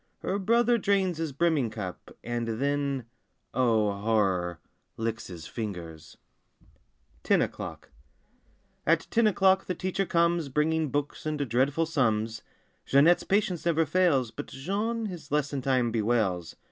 Her brother drains his brimming cup. And then—oh, horror!—licks his fingers! 13 NINE O'CLOCK 15 TEN O'CLOCK AT ten o'clock the teacher comes ZjL Bringing books and dreadful Jeanette's patience never fails, But Jean his lesson time bewails.